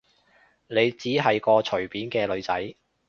你只係個隨便嘅女仔